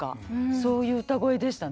そういう歌声でしたね。